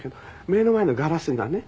目の前のガラスがね